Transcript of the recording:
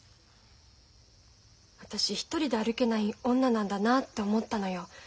私一人で歩けない女なんだなって思ったのよ。